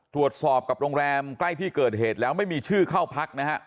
ตรวจสอบกับโรงแรมใกล้ที่เกิดเหตุแล้วไม่มีชื่อเข้าพักนะฮะ